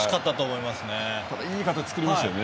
いい形を作りましたね。